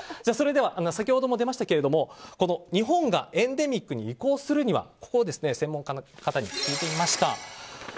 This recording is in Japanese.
それでは、先ほども出ましたけど日本がエンデミックに移行するにはについてをここを専門家の方に聞いてみました。